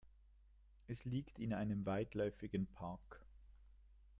Es liegt in einem weitläufigen Park.